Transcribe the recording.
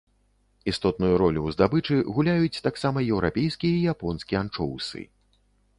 Істотную ролю ў здабычы гуляюць таксама еўрапейскі і японскі анчоўсы.